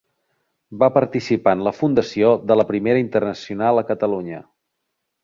Va participar en la fundació de la Primera Internacional a Catalunya.